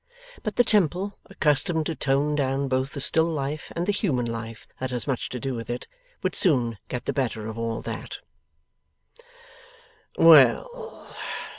But the Temple, accustomed to tone down both the still life and the human life that has much to do with it, would soon get the better of all that. 'Well!